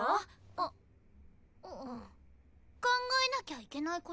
あっ。考えなきゃいけない事？